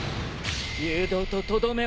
誘導ととどめをさす。